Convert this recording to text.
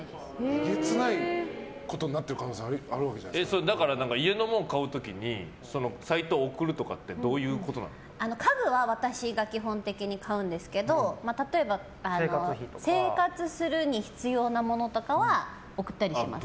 えげつないことになってる家のものを買う時にサイトを送るとかって家具は基本的に私が買うんですけど、例えば生活するに必要なものとかは送ったりします。